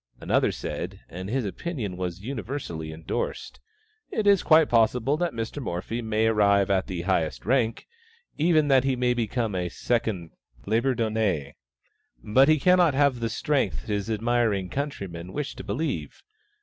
Another said and his opinion was universally endorsed "It is quite possible that Mr. Morphy may arrive at the highest rank, nay, even that he may become a second Labourdonnais, but he cannot have the strength his admiring countrymen wish to believe.